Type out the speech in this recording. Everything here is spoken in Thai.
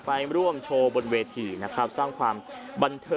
ไปร่วมโชว์บนเวทีนะครับสร้างความบันเทิง